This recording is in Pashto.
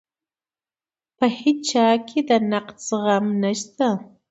په هیچا کې د نقد زغم نشته.